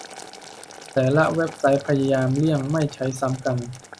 แต่ละเว็บไซต์พยายามเลี่ยงไม่ใช้ซ้ำกัน